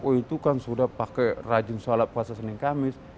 oh itu kan sudah pakai rajin sholat puasa senin kamis